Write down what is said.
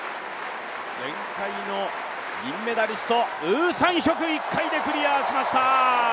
前回の銀メダリスト、ウ・サンヒョク１回でクリアしました！